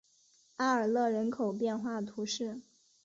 阿尔勒人口变化图示